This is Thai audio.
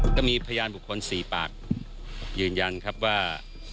ก็มีพยานบุคคล๔ปากยืนยันครับว่า